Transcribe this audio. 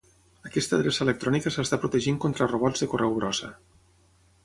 Aquesta adreça electrònica s'està protegint contra robots de correu brossa.